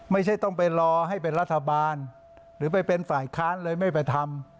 ไม่ใช่ต้องไปรอให้เป็นรัฐบาลหรือไปเป็นฝ่ายค้านเลยไม่ไปทำ